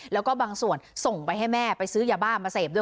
แล้วก็บางส่วนส่งไปให้แม่ไปซื้อยาบ้ามาเสพด้วย